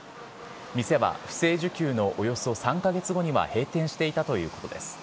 店は不正受給のおよそ３か月後には閉店していたということです。